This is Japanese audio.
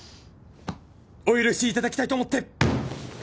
お許し頂きたいと思って！